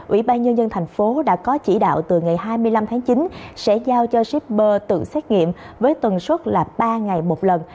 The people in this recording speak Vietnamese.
ủy ban nhân dân thành phố đã có chỉ đạo từ ngày hai mươi năm tháng chín sẽ giao cho shipper tự xét nghiệm với tần suất là ba ngày một lần